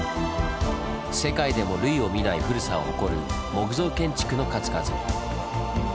世界でも類を見ない古さを誇る木造建築の数々。